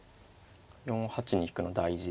４八に引くの大事で。